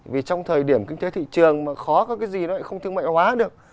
vì trong thời điểm kinh tế thị trường mà khó có cái gì nó lại không thương mại hóa được